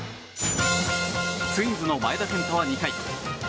ツインズの前田健太は２回。